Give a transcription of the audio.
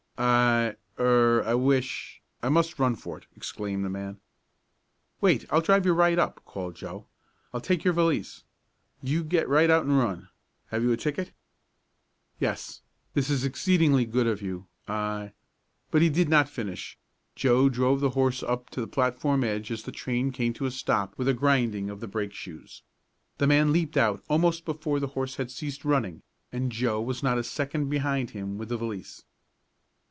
"I er I wish I must run for it!" exclaimed the man. "Wait. I'll drive you right up!" called Joe. "I'll take your valise. You get right out and run. Have you a ticket?" "Yes. This is exceedingly good of you. I " But he did not finish. Joe drove the horse up to the platform edge as the train came to a stop with a grinding of the brake shoes. The man leaped out almost before the horse had ceased running, and Joe was not a second behind him with the valise.